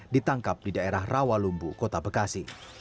ditangkap di daerah rawalumbu kota bekasi